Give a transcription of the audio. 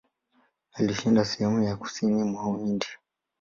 Alishinda sehemu za kusini mwa Uhindi.